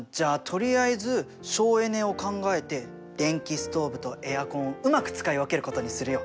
とりあえず省エネを考えて電気ストーブとエアコンをうまく使い分けることにするよ。